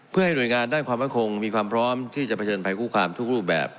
เพื่อให้หน่วยงานด้านความมั่นคงมีความพร้อมที่จะเผชิญภัยคุกคามทุกรูปแบบ